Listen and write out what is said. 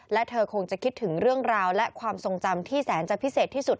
และเธอคงจะคิดถึงเรื่องราวและความทรงจำที่แสนจะพิเศษที่สุด